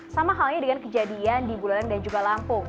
sama halnya dengan kejadian di buleleng dan juga lampung